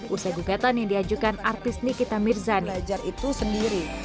ursa gugatan yang diajukan artis nikita mirzani